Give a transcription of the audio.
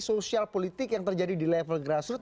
sosial politik yang terjadi di level grassroot